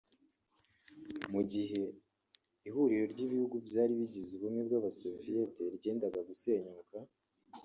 Mu gihe ihuriro ry’ibihugu byari bigize ubumwe bw’abasoviyete ryendaga gusenyuka